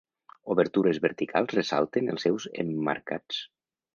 Obertures verticals ressalten els seus emmarcats.